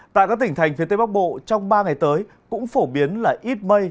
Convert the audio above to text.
tại các tỉnh thành phía tây bắc bộ trong ba ngày tới cũng phổ biến là ít mây